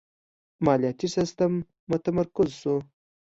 مالیاتی سیستم متمرکز شو.